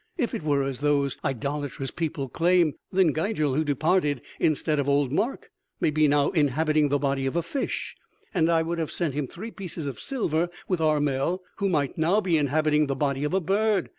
"If it were as those idolatrous people claim, then Gigel, who departed instead of old Mark, may be now inhabiting the body of a fish; and I would have sent him three pieces of silver with Armel who might now be inhabiting the body of a bird.